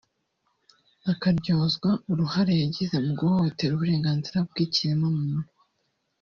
akaryozwa uruhare yagize mu guhohotera uburenganzira bw’ikiremwamuntu